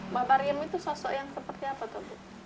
mbak pariem itu sosok yang seperti apa tuh bu